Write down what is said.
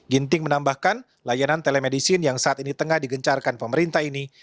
ginting menambahkan layanan telemedicine yang saat ini tengah digencarkan pemerintah ini